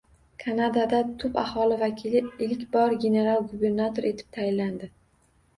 Kanadada tub aholi vakili ilk bor general-gubernator etib tayinlandi